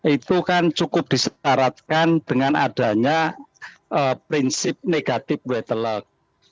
itu kan cukup disyaratkan dengan adanya prinsip negatif wetelak